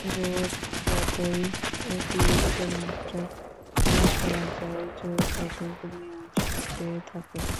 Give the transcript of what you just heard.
জোর যতই অতিরিক্তমাত্রায় প্রয়োগ করা যায় জোর ততই কমিয়া আসিতে থাকে।